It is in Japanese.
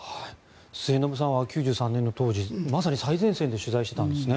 末延さんは９３年の当時まさに最前線で取材していたんですね。